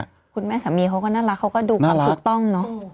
คุณแม่สามีเขาก็น่ารักเขาก็ดูความถูกต้องเนอะ